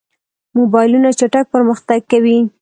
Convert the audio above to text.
موبایلونه چټک پرمختګ کوي.